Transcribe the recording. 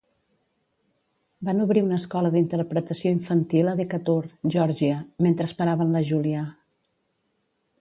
Van obrir una escola d"interpretació infantil a Decatur, Georgia, mentre esperaven la Julia.